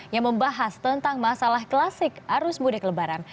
yang membahas tentang masalah klasik arus mudik lebaran